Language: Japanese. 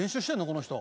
この人。